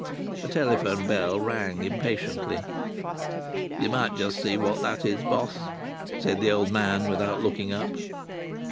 A telephone bell rang impatiently. "You might just see what that is, boss," said the old man without looking up.